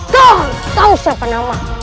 kau tahu siapa nama